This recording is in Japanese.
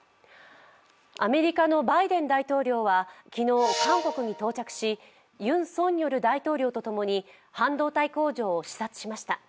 アメリカのバイデン大統領は昨日、韓国に到着しユン・ソンニョル大統領とともに半導体工場を視察しました。